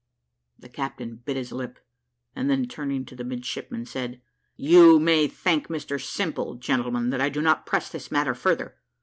The captain bit his lip, and then turning to the midshipmen, said, "You may thank Mr Simple, gentlemen, that I do not press this matter further.